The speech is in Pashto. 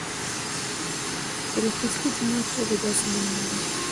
پل خشتي جومات ولې داسې نوم لري؟